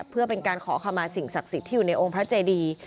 เพื่อเป็นการขอขมาสิ่งศักดิ์สิทธิ์ที่อยู่ในองค์พระเจดี